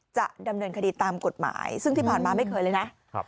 จะดำเนินคดีตามกฎหมายซึ่งที่ผ่านมาไม่เคยเลยนะ